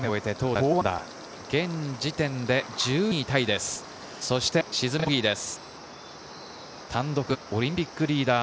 現時点で１２位タイです。